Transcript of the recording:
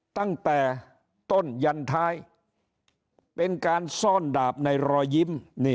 ตั้งแต่ต้นยันท้ายเป็นการซ่อนดาบในรอยยิ้ม